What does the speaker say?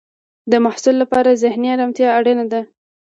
د محصل لپاره ذهنی ارامتیا اړینه ده.